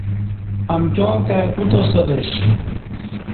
امکیاں کائی کوتا سلش